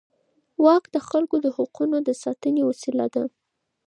واک د خلکو د حقونو د ساتنې وسیله ده.